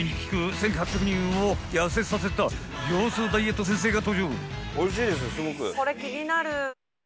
１８００人を痩せさせた業スーダイエット先生が登場。